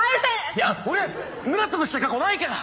いや俺村つぶした過去ないから！